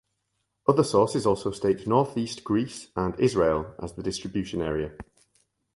Other sources also state northeast Greece and Israel as the distribution area.